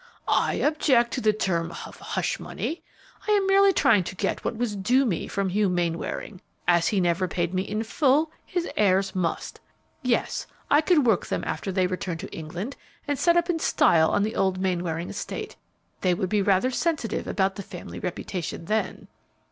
"I object to the term of 'hush money.' I am merely trying to get what was due me from Hugh Mainwaring. As he never paid me in full, his heirs must. Yes, I could work them after they return to England and set up in style on the old Mainwaring estate. They would be rather sensitive about the family reputation then."